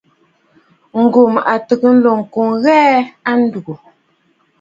Ngum a tɨgə̀ ǹlo ŋkɔꞌɔ ŋghɛɛ a ndúgú.